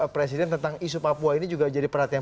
presiden tentang isu papua ini juga jadi perhatian